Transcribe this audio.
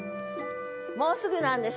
もうすぐなんでしょ？